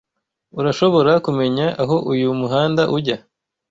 Urashobora kumenya aho uyu muhanda ujya?